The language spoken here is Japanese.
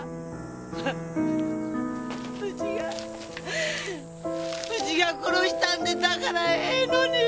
あっうちがうちが殺したんでだからええのに！